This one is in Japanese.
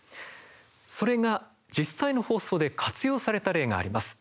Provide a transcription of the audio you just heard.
それが実際の放送で活用された例があります。